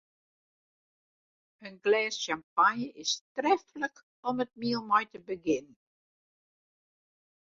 In glês sjampanje is treflik om it miel mei te begjinnen.